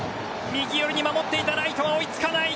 右寄りに守っていたライトは追いつかない。